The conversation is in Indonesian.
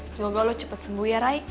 semoga lo cepet sembuh ya ray